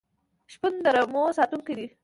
شپون د رمو ساتونکی دی.